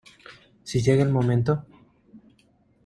si llega el momento...